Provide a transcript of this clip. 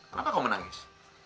kenapa kau menangis